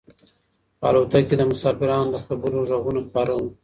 په الوتکه کې د مسافرانو د خبرو غږونه خپاره وو.